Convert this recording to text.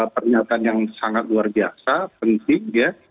pernyataan yang sangat luar biasa penting ya